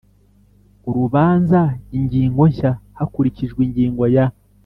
Urubanza ingingo nshya hakurikijwe ingingo ya